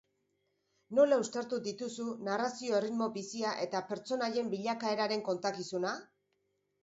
Nola uztartu dituzu narrazio erritmo bizia eta pertsonaien bilakaeraren kontakizuna?